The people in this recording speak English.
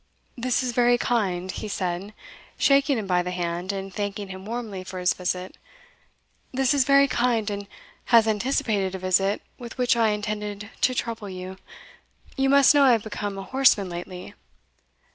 "This is very kind," he said, shaking him by the hand, and thanking him warmly for his visit "this is very kind, and has anticipated a visit with which I intended to trouble you. You must know I have become a horseman lately."